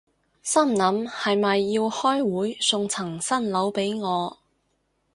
心諗係咪要開會送層新樓畀我